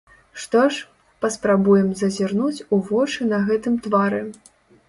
Што ж, паспрабуем зазірнуць ў вочы на гэтым твары.